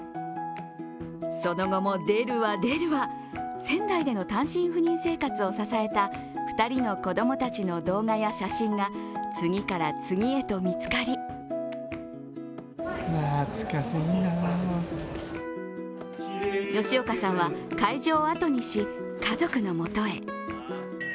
その後も、出るわ出るわ、仙台での単身赴任生活を支えた２人の子供たちの動画や写真が次から次へと見つかり吉岡さんは会場を後にし、家族のもとへ。